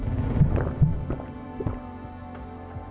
jantung berdegup bahagia